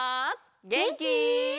げんき？